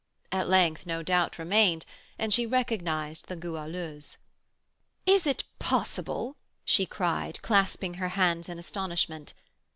At length no doubt remained, and she recognised the Goualeuse. "Is it possible?" she cried, clasping her hands in astonishment.